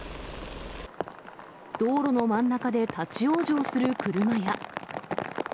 道路の真ん中で立往生する車や。